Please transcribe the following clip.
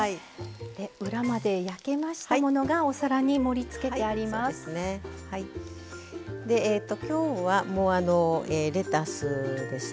裏まで焼けましたものがお皿に盛りつけてあります。